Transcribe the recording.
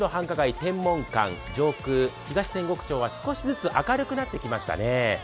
天文館、東千石町は少しずつ明るくなってきましたね。